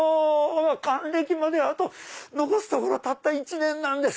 還暦まであと残すところたった一年なんです。